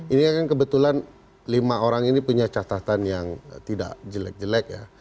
ini kan kebetulan lima orang ini punya catatan yang tidak jelek jelek ya